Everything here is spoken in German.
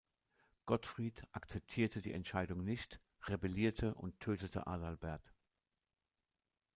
Gottfried akzeptierte die Entscheidung nicht, rebellierte und tötete Adalbert.